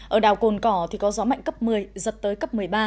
ở đảo cồn cỏ thì có gió mạnh cấp một mươi giật tới cấp một mươi ba